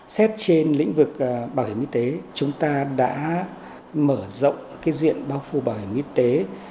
xét trên lĩnh vực bảo hiểm y tế chúng ta đã mở rộng cái diện bao phủ bảo hiểm y tế